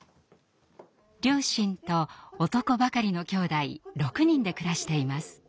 両親と男ばかりの兄弟６人で暮らしています。